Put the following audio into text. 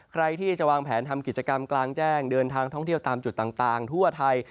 ใครที่จะวางแผนทำกิจกรรมกลางแจ้งเดินทางท่องเที่ยวตามจุดต่างทั่วไทย